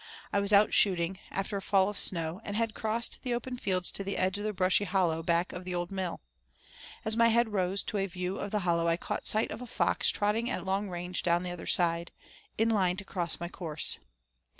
I was out shooting, after a fall of snow, and had crossed the open fields to the edge of the brushy hollow back of the old mill. As my head rose to a view of the hollow I caught sight of a fox trotting at long range down the other side, in line to cross my course.